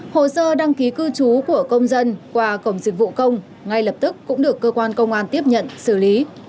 hồ sơ đăng ký cư trú của công dân qua cổng dịch vụ công ngay lập tức cũng được cơ quan công an tiếp nhận xử lý